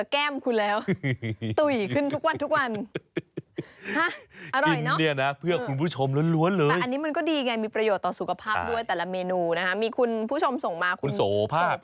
ขอบคุณมากครับขอบคุณมากครับ